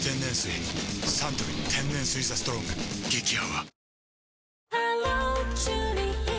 サントリー天然水「ＴＨＥＳＴＲＯＮＧ」激泡